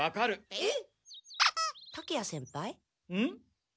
えっ？